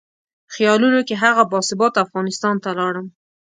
خیالونو کې هغه باثباته افغانستان ته لاړم.